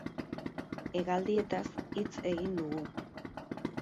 Hegaldietaz hitz egin dugu.